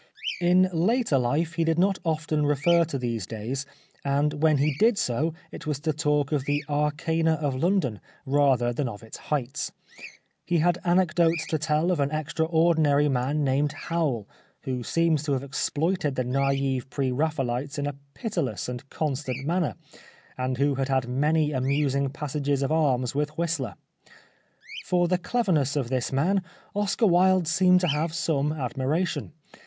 In later life he did not often refer to these days, and when he did so it was to talk of the arcana of London rather than of its heights. He had anecdotes to tell of an extraordinary 178 The Life of Oscar Wilde man named Howell^ who seems to have exploited the naive Pre Raphaehtes in a pitiless and con stant manner, and who had had many amusing passages of arms with Whistler. For the clever ness of this man Oscar Wilde seemed to have some admiration.